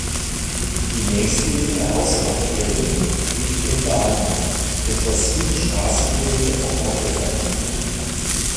Die nächstgelegene Ausfahrt Erding liegt in Gaden, etwa sieben Straßenkilometer vom Ort entfernt.